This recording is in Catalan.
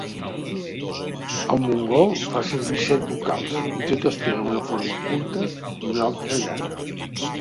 El mongol fa servir set vocals i totes tenen una forma curta i una altra llarga.